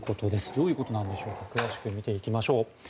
どういうことなのでしょうか詳しく見ていきましょう。